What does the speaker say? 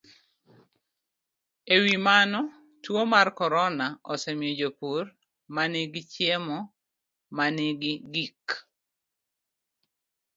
E wi mano, tuo mar corona osemiyo jopur ma nigi chiemo ma nigi gik